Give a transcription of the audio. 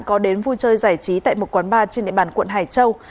có đến vui chơi giải trí tại một quán bar trên địa bàn quận hải châu